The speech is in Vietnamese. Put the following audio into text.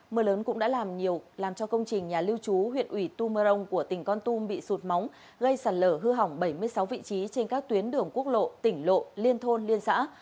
mưa lớn cũng đã làm nhiều làm cho công trình nhà lưu trú huyện ủy tu mơ rông của tỉnh con tum bị sụt móng gây sạt lở hư hỏng bảy mươi sáu vị trí trên các tuyến đường quốc lộ tỉnh lộ liên thôn liên xã